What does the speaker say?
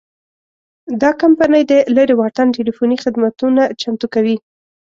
دا کمپنۍ د لرې واټن ټیلیفوني خدمتونه چمتو کوي.